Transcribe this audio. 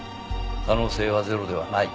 可能性はゼロではない。